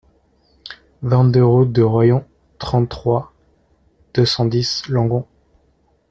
vingt-deux route de Roaillan, trente-trois, deux cent dix, Langon